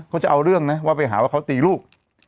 เขาจะเอาเรื่องนะว่าไปหาว่าเขาตีลูก